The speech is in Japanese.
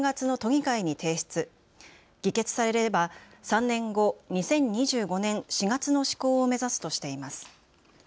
議決されれば３年後、２０２５年４月の施行を目指すとしています。